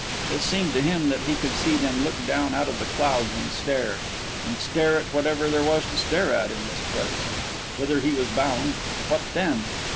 It seemed to him that he could see them look down out of the clouds and stare and stare at whatever there was to stare at in this place whither he was bound What then?